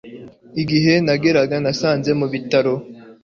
Igihe nageraga nasanze mu bitaro